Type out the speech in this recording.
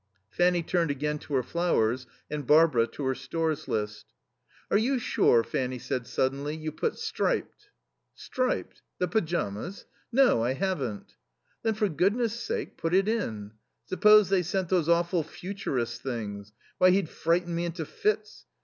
Fanny turned again to her flowers and Barbara to her Stores list. "Are you sure," Fanny said suddenly, "you put 'striped'?" "Striped? The pyjamas? No, I haven't." "Then, for goodness' sake, put it. Supposing they sent those awful Futurist things; why, he'd frighten me into fits.